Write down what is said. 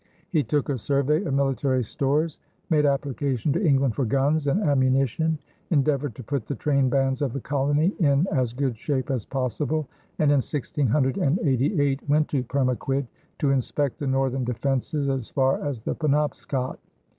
He took a survey of military stores, made application to England for guns and ammunition, endeavored to put the train bands of the colony in as good shape as possible, and in 1688 went to Pemaquid to inspect the northern defenses as far as the Penobscot.